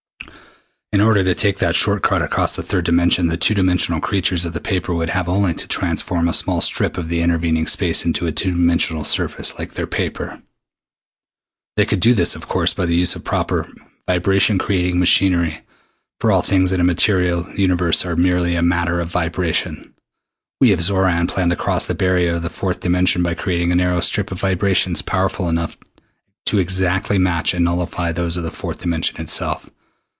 In order to take that short cut across the third dimension the two dimensional creatures of the paper would have only to transform a small strip of the intervening space into a two dimensional surface like their paper. "They could, do this, of course, by the use of proper vibration creating machinery, for all things in a material universe are merely a matter of vibration. We of Xoran plan to cross the barrier of the fourth dimension by creating a narrow strip of vibrations powerful enough to exactly match and nullify those of the fourth dimension itself.